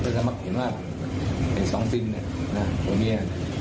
เพื่อจะมักเห็นว่าเป็นสองสิ้นตัวเนี่ย